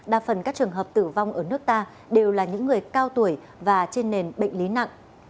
đa phần các trường hợp tử vong ở nước ta đều là những người cao tuổi và trên nền bệnh lý nặng